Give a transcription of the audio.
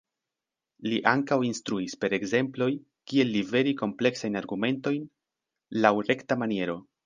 Li ankaŭ instruis per ekzemploj kiel liveri kompleksajn argumentojn laŭ rekta maniero.